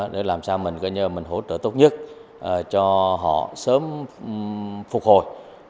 để làm sao mình có nhờ mình hỗ trợ tốt nhất cho họ sớm phục hồi